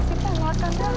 sita mau akan datang